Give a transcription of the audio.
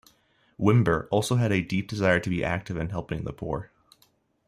Wimber also had a deep desire to be active in helping the poor.